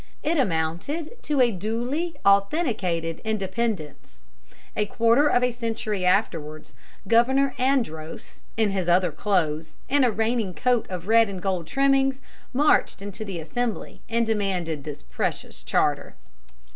It amounted to a duly authenticated independence. A quarter of a century afterwards Governor Andros, in his other clothes and a reigning coat of red and gold trimmings, marched into the Assembly and demanded this precious charter.